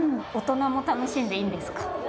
大人も楽しんでいいんですか？